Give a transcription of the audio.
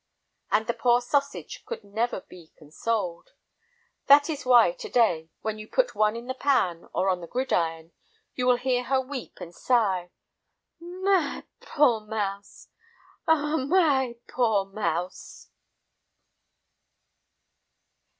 And the poor sausage could never be consoled! That is why to day, when you put one in the pan or on the gridiron, you will hear her weep and sigh, "M my p poor m mouse! Ah, m my p poor m mouse!"